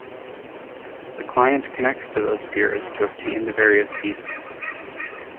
The client connects to those peers to obtain the various pieces.